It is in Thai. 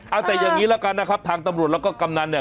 เอาแต่อย่างนี้ละกันนะครับทางตำรวจแล้วก็กำนันเนี่ย